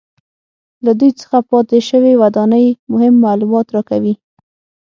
له دوی څخه پاتې شوې ودانۍ مهم معلومات راکوي